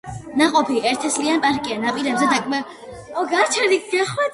ნაყოფი ერთთესლიანი პარკია, ნაპირებზე დაკბილული ან სადა, პარკი არ იხსნება.